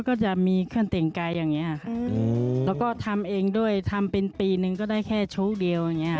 ก็ทำเองด้วยทำเป็นปีหนึ่งก็ได้แค่ชุดเดียว